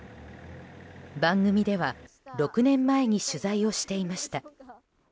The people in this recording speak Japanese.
番組では６年前に取材をしていました。